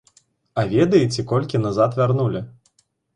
А ведаеце, колькі назад вярнулі?